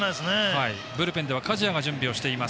ブルペンでは加治屋が準備しています。